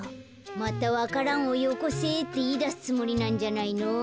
またわか蘭をよこせっていいだすつもりなんじゃないの。